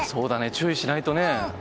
注意しないとね。